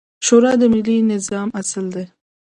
شورا د اسلامي نظام اصل دی